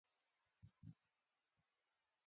دا اپلیکیشن د معلوماتو تحلیل کوي.